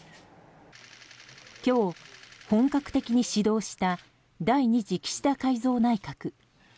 今日、本格的に始動した第２次岸田改造内閣。